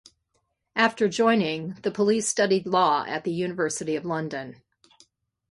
After joining the police studied Law at the University of London.